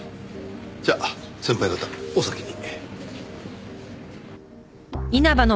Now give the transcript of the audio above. じゃあ先輩方お先に。